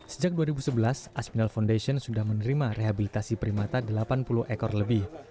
sejak dua ribu sebelas asminal foundation sudah menerima rehabilitasi primata delapan puluh ekor lebih